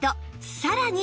さらに